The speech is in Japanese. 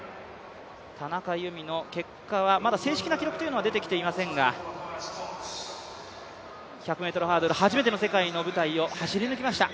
田中佑美の結果はまだ正式な記録は出てきていませんが１００ｍハードル、初めての世界の舞台を走り抜きました。